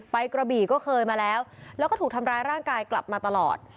กระบี่ก็เคยมาแล้วแล้วก็ถูกทำร้ายร่างกายกลับมาตลอด